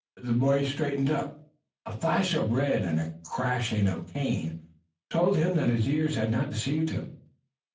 The boy straightened up. A flash of red and a crashing of the cane told him that his ears had not deceived him.